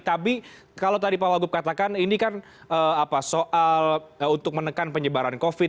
tapi kalau tadi pak wagub katakan ini kan soal untuk menekan penyebaran covid